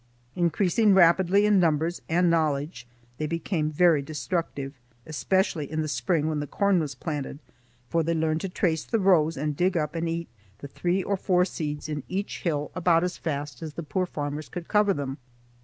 Increasing rapidly in numbers and knowledge, they became very destructive, especially in the spring when the corn was planted, for they learned to trace the rows and dig up and eat the three or four seeds in each hill about as fast as the poor farmers could cover them.